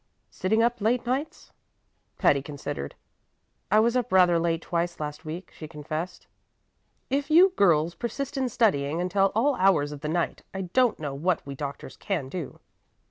"Sitting up late nights?" Patty considered. "I was up rather late twice last week," she confessed. "If you girls persist in studying until all hours of the night, I don't know what we doctors can do."